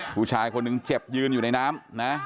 ผู้ชายคนหนึ่งเจ็บยืนอยู่ในน้ำนะ